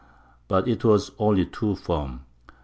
But it was only too firm.